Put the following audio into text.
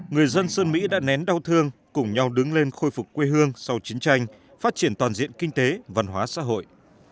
người dân sơn mỹ đã nén đau thương cùng nhau đứng lên khôi phục quê hương sau chiến tranh phát triển toàn diện kinh tế văn hóa xã hội